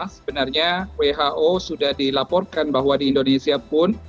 sebenarnya who sudah dilaporkan bahwa di indonesia pun